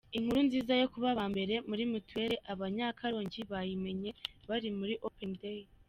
Inkuru nziza yo kuba aba mbere muri mutuelle Abanyakarongi bayimenye bari muri Open Day.